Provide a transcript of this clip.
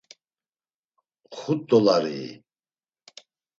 Xut dolarii?